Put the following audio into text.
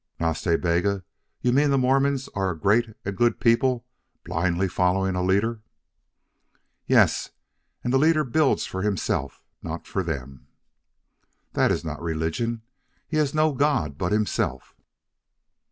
"Nas Ta Bega, you mean the Mormons are a great and good people blindly following a leader?" "Yes. And the leader builds for himself not for them." "That is not religion. He has no God but himself."